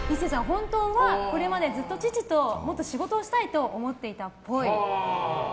本当はこれまでずっと父と仕事をしたいと思っていたっぽい。